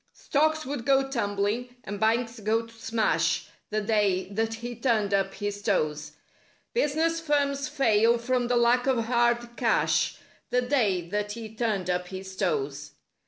Stocks would go tumbling and banks go to smash— The day that he turned up his toes; Business firms fail from the lack of hard cash— The day that he turned up his toes.